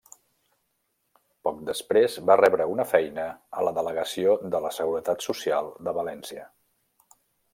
Poc després va rebre una feina a la Delegació de la Seguretat Social de València.